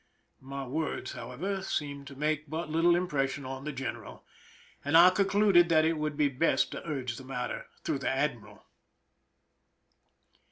My words, however, seemed to make but little im pression on the general, and I concluded that it would be best to urge the matter through the adrairal.